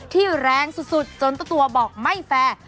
ที่แรงสุดจนตัวบอกไม่แฟร์